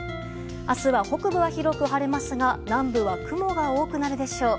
明日は北部は広く晴れますが南部は雲が多くなるでしょう。